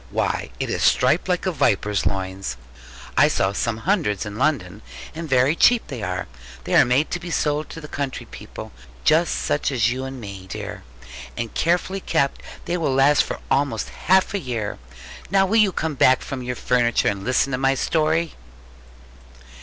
Why, it is striped like a viper's loins! I saw some hundreds in London; and very cheap they are. They are made to be sold to the country people, such as you and me, dear; and carefully kept they will last for almost half a year. Now will you come back from your furniture, and listen to my story?'